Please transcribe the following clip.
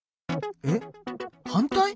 えっ反対！？